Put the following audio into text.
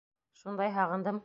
Шундай һағындым.